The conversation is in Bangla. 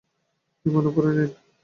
বিমান উপরে নিন!